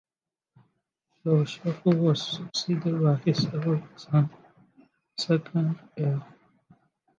Lord Suffolk was succeeded by his eldest son, the second Earl.